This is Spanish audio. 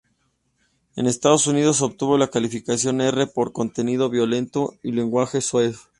En Estados Unidos, obtuvo la calificación R por contenido violento y lenguaje soez.